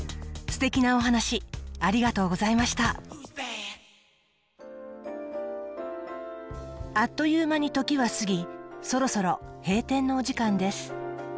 ステキなお話ありがとうございましたあっという間に時は過ぎそろそろ閉店のお時間です